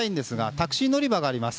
タクシー乗り場があります。